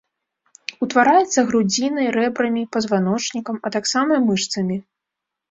Утвараецца грудзінай, рэбрамі, пазваночнікам, а таксама мышцамі.